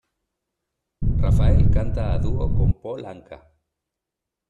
Raphael canta a dúo con Paul Anka.